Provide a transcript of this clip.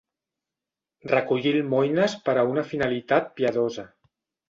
Recollir almoines per a una finalitat piadosa.